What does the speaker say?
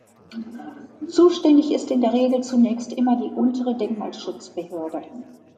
Zuständig ist in der Regel zunächst immer die "Untere Denkmalschutzbehörde".